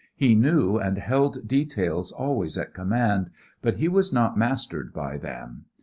He knew and held details always at command, but he was not mastered by them.